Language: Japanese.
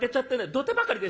土手ばかりでしょ。